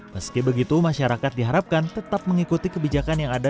meski begitu masyarakat diharapkan tetap mengikuti kebijakan yang ada